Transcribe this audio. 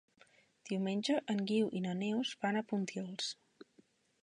Diumenge en Guiu i na Neus van a Pontils.